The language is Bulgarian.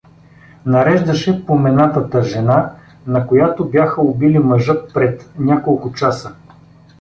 Нареждаше поменатата жена, на която бяха убили мъжа пред няколко часа.